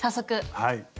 はい。